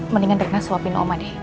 mendingan terima suapin oma deh